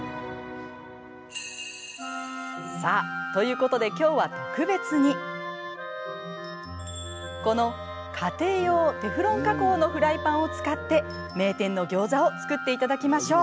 さあということできょうは特別にこの家庭用テフロン加工のフライパンを使って名店のギョーザを作っていただきましょう。